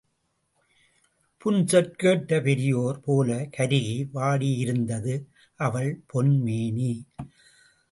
புன்சொற் கேட்ட பெரியோர் போலக் கருகி வாடியிருந்தது அவள் பொன் மேனி.